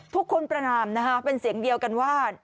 ประนามนะคะเป็นเสียงเดียวกันว่า